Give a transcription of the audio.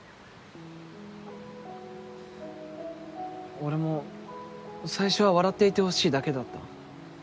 俺も最初は笑っていてほしいだけだった。